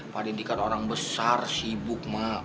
pak deddy kan orang besar sibuk emak